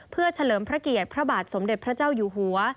เพื่อเฉลิมพระเกียรติพระบาทสมเด็จพระเจ้าอยู่หัว